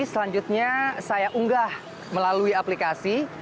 selanjutnya saya unggah melalui aplikasi